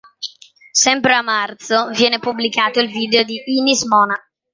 Sempre a marzo viene pubblicato il video di "Inis Mona".